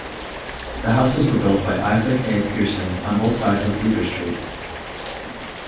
The houses were built by Isaac A. Pearson, on both sides of Bleecker Street.